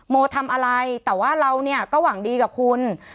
โมทำอะไรแต่ว่าเราเนี่ยก็หวังดีกับคุณ